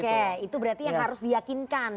oke itu berarti yang harus diyakinkan